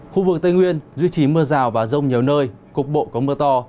khu vực tây nguyên duy trì mưa rào và rông nhiều nơi cục bộ có mưa to